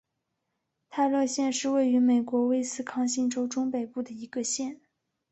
泰勒县是位于美国威斯康辛州中北部的一个县。